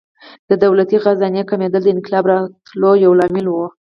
د دولتي خزانې کمېدل د انقلاب راتلو یو لامل و.